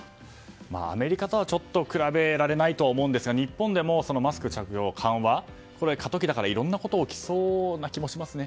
アメリカとはちょっと比べられないと思うんですが日本でもマスク着用の緩和は過渡期だからいろんなことが起きそうな気もしますね。